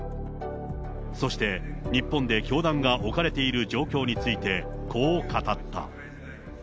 そして日本で教団が置かれている状況について、こう語った。